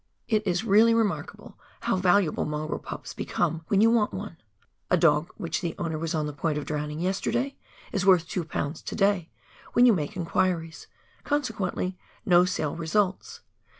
It is really remarkable how valuable mongrel pups become when you want one ; a dog which the owner was on the point of drown ing yesterday, is worth two pounds to day, when you make inquiries, consequently no sale results.